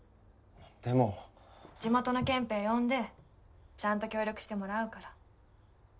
でも地元の憲兵呼んでちゃんと協力してもらうから